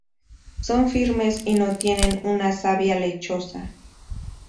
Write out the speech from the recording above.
Son firmes y no tienen una savia lechosa.